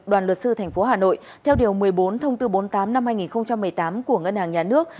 đoàn luật sư tp hà nội theo điều một mươi bốn thông tư bốn mươi tám năm hai nghìn một mươi tám của ngân hàng nhà nước